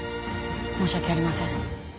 申し訳ありません。